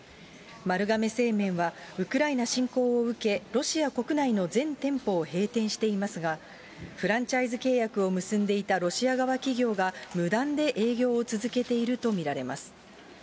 丸亀製麺は、ウクライナ侵攻を受け、ロシア国内の全店舗を閉店していますが、フランチャイズ契約を結んでいたロシア側企業が無断で営業を続けていると見られます。